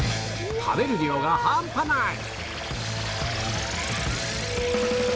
食べる量が半端ない！